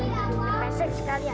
dan pesek sekali ya